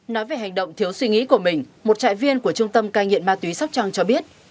nói về hành động thiếu suy nghĩ của mình một trại viên của trung tâm cai nghiện ma túy sóc trăng cho biết